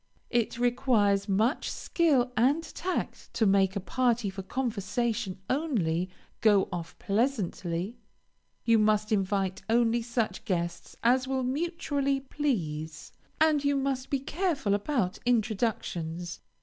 It requires much skill and tact to make a party for conversation only, go off pleasantly. You must invite only such guests as will mutually please, and you must be careful about introductions.